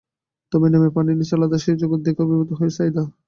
তবে নেমে পানির নিচের আলাদা সেই জগৎ দেখে অভিভূত হলেন সাঈদা।